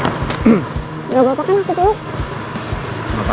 gak apa apa kan aku peluk